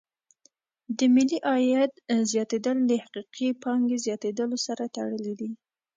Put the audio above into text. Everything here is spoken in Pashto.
د ملي عاید زیاتېدل د حقیقي پانګې زیاتیدلو سره تړلې دي.